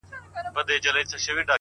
د شفاهي روايتونو له مخه